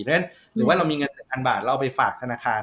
หรือว่าเรามีเงิน๑๐๐๐บาทเราเอาไปฝากธนาคาร